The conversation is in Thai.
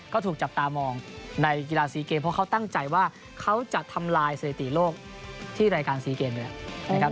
ก็ถูกจับตามองในกีฬาซีเกมเพราะเขาตั้งใจว่าเขาจะทำลายสถิติโลกที่รายการซีเกมอยู่แล้วนะครับ